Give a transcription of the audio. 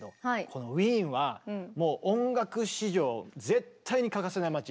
このウィーンはもう音楽史上絶対に欠かせない街。